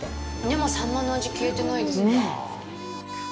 でも、サンマの味、消えてないですね。